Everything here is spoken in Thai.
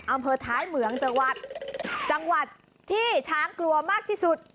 อำเภอท้ายเหมืองจังหวัดจังหวัดที่ช้างกลัวมากที่สุด